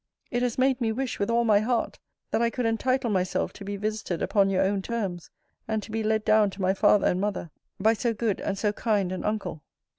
It has made me wish, with all my heart, that I could entitle myself to be visited upon your own terms; and to be led down to my father and mother by so good and so kind an uncle.